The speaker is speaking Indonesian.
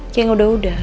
king udah udah